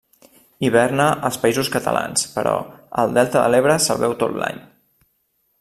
Hiverna als Països Catalans però, al Delta de l'Ebre se'l veu tot l'any.